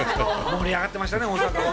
盛り上がってましたね、大阪は。